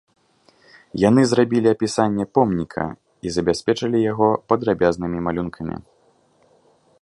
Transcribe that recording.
Яны зрабілі апісанне помніка і забяспечылі яго падрабязнымі малюнкамі.